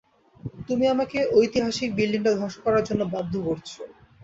তুমি আমাকে ঐতিহাসিক এই বিল্ডিংটা ধ্বংস করার জন্য বাধ্য করছো।